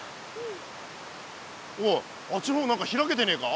おいあっちの方何か開けてねえか。